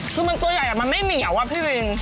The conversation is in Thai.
คือมันตัวใหญ่มันไม่เหนียวอะพี่วิน